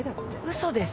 嘘です。